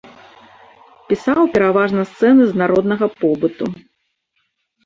Пісаў пераважна сцэны з народнага побыту.